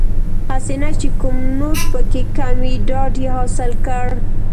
هسې نه چې کوم نوټ پکې کم وي ډاډ یې حاصل کړ.